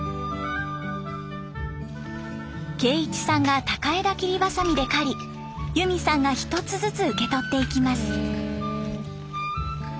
圭一さんが高枝切りばさみで刈りゆみさんが一つずつ受け取っていきます。